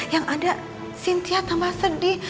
yang ada cynthia tambah sedih